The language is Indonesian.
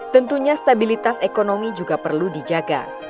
tentunya stabilitas ekonomi juga perlu dijaga